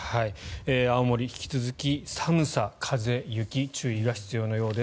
青森、引き続き寒さ、風、雪注意が必要のようです。